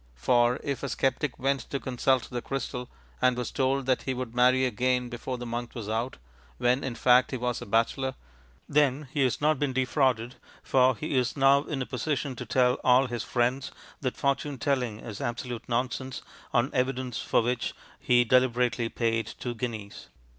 For if a sceptic went to consult the crystal, and was told that he would marry again before the month was out, when in fact he was a bachelor, then he has not been defrauded, for he is now in a position to tell all his friends that fortune telling is absolute nonsense on evidence for which he deliberately paid two guineas.